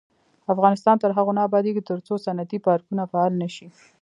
افغانستان تر هغو نه ابادیږي، ترڅو صنعتي پارکونه فعال نشي.